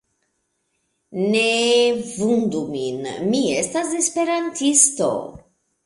Neeee vundu min, mi estas Esperantisto...